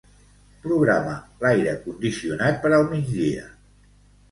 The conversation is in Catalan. Programa l'aire condicionat per al migdia.